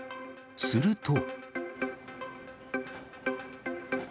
すると。